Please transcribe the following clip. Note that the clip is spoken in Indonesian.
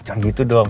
jangan gitu dong